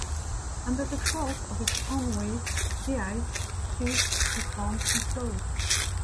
Under the force of its own weight, the ice sheet deforms and flows.